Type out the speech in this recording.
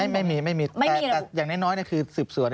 ไม่มีแต่อย่างน้อยคือสิบส่วน